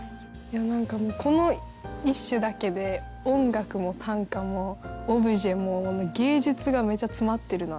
何かもうこの一首だけで音楽も短歌もオブジェも芸術がめっちゃ詰まってるなって。